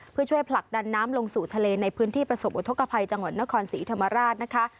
เพื่อช่วยผลักดันน้ำลงสู่ทะเลในพื้นที่ประสบอุทธกภัยจังหวัดนครศรีธรรมราชนะคะ